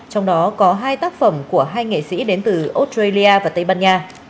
trong đó có hai tác phẩm của hai nghệ sĩ đến từ australia và tây ban nha